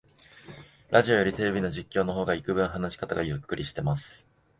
ラジオよりテレビの実況の方がいくぶん話し方がゆったりしてます